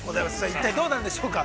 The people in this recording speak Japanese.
一体どうなるんでしょうか。